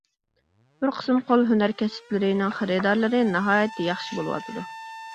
بىر قىسىم قول ھۈنەر كەسىپلىرىنىڭ خېرىدارلىرى ناھايىتى ياخشى بولۇۋاتىدۇ.